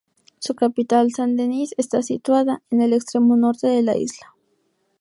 Su capital, San Denis, está situada en el extremo norte de la isla.